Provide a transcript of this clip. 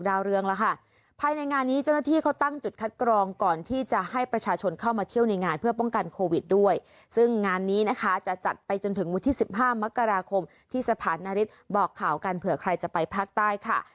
ซึ่งงานนี้นะคะจะจัดไปจนถึงมุดที่๑๕มกราคมที่สะพานนฤทธิ์บอกข่าวกันเผื่อใครจะไปภาคใต้ค่ะ